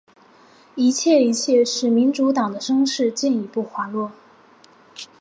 一切一切使民主党的声势进一步滑落。